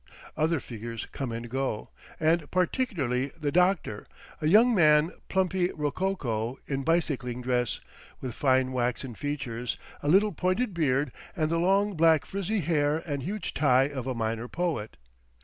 Other figures come and go, and particularly the doctor, a young man plumply rococo, in bicycling dress, with fine waxen features, a little pointed beard, and the long black frizzy hair and huge tie of a minor poet.